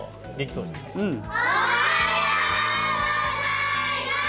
おはようございます。